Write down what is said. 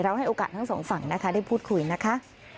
ให้โอกาสทั้งสองฝั่งนะคะได้พูดคุยนะคะ